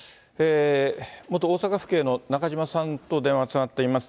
元大阪府警の中島さんと電話がつながっています。